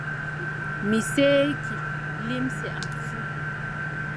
Mi seeki limce am fuu.